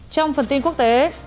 trong phần tin quốc tế